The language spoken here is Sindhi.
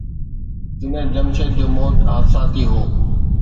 جنيد جمشيد جو موت حادثاتي هو.